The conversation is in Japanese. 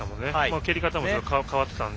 蹴り方も変わっていたので。